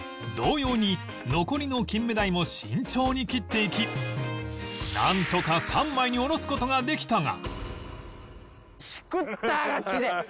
同様に残りのキンメダイも慎重に切っていきなんとか３枚におろす事ができたが